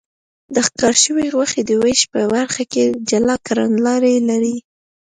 د ښکار شوې غوښې د وېش په برخه کې جلا کړنلارې لري.